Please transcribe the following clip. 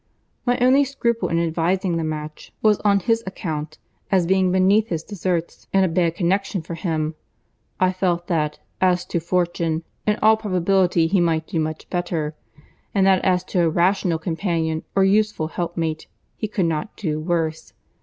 My only scruple in advising the match was on his account, as being beneath his deserts, and a bad connexion for him. I felt that, as to fortune, in all probability he might do much better; and that as to a rational companion or useful helpmate, he could not do worse.